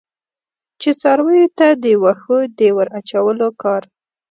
چې څارویو ته د وښو د ور اچولو کار.